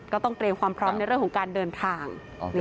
ก็ต้องเตรียมความพร้อมในเรื่องของการเดินทาง